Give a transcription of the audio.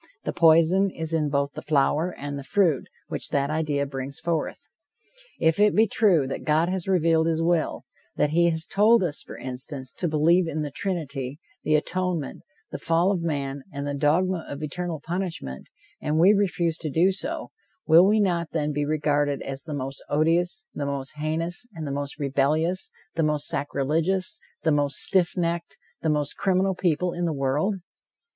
The poison is in both the flower and the fruit which that idea brings forth. If it be true that God has revealed his will, that he has told us, for instance, to believe in the Trinity, the atonement, the fall of man, and the dogma of eternal punishment, and we refuse to do so, will we not, then, be regarded as the most odious, the most heinous, the most rebellious, the most sacrilegious, the most stiff necked, the most criminal people in the world?